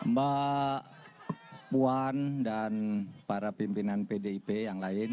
mbak puan dan para pimpinan pdip yang lain